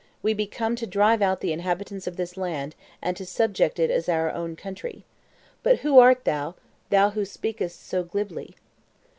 We be come to drive out the inhabitants of this land, and to subject it as our own country. But who art thou, thou who speakest so glibly?"